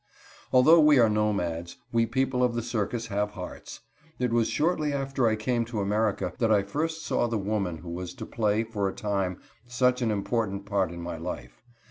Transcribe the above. Although we are nomads, we people of the circus have hearts. It was shortly after I came to America that I first saw the woman who was to play, for a time, such an important part in my life.